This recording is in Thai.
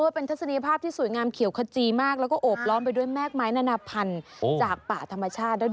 เป็นทัศนีภาพที่สวยงามเขียวขจีมากแล้วก็โอบล้อมไปด้วยแม่กไม้นานาพันธุ์จากป่าธรรมชาติด้วย